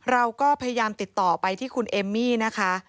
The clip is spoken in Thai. เราก็พยายามติดต่อไปที่คุณเอมมี่นะคะ